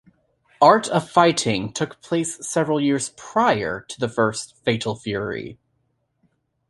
"Art of Fighting" took place several years prior to the first "Fatal Fury".